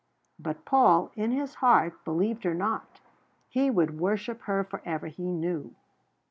But Paul, in his heart, believed her not. He would worship her for ever, he knew.